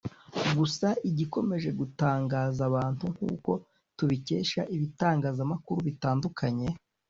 Gusa igikomeje gutangaza abantu nk’uko tubikesha ibitangazamakuru bitandukanye